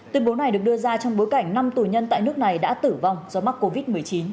tuyên bố này được đưa ra trong bối cảnh năm tù nhân tại nước này đã tử vong do mắc covid một mươi chín